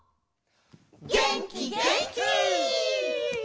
げんきげんき！